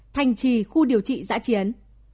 thành trì khu điều trị giã chiến